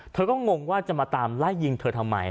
เธอก็งงว่าจะมาตามไล่ยิงเธอทำไม